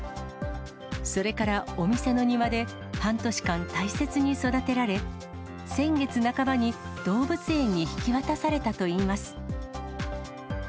それからお店の庭で半年間、大切に育てられ、先月半ばに動物園に引き渡されたといいます。